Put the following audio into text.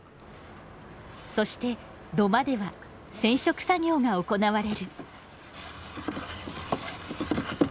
そして土間では染色作業が行われる。